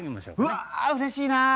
うわうれしいな。